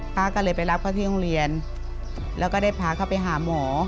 ป้าก็เลยไปรับเขาที่โรงเรียนแล้วก็ได้พาเขาไปหาหมอ